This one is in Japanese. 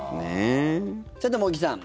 さて茂木さん